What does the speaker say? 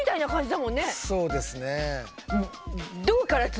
そうですね。